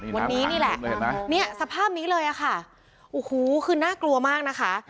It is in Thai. วันนี้นี่แหละสภาพนี้เลยค่ะโอ้โหคือน่ากลัวมากนะคะ